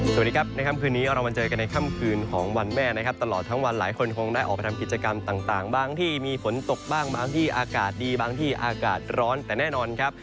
สวัสดีครับในค่ำคืนนี้เรามาเจอกันในค่ำคืนของวันแม่นะครับตลอดทั้งวันหลายคนคงได้ออกไปทำกิจกรรมต่างบางที่มีฝนตกบ้างบางที่อากาศดีบางที่อากาศร้อนแต่แน่นอนครับ